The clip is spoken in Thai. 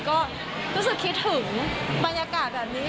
ก็รู้สึกคิดถึงบรรยากาศแบบนี้